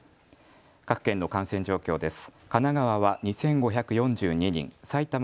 各県の感染状況です。